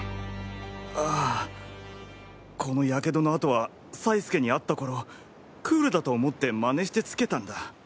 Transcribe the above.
あぁこの火傷の痕は才輔に会った頃クールだと思って真似してつけたんだ。